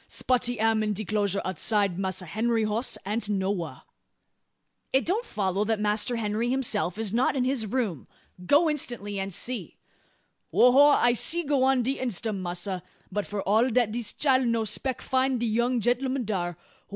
Spotty am in de 'closure outside. Massa Henry hoss ain't nowha." "It don't follow that Master Henry himself is not in his room. Go instantly, and see!" "Ho ho! I'se go on de instum, massr; but f'r all dat dis chile no speck find de young genl'um dar. Ho!